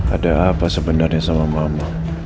ada apa sebenarnya sama mama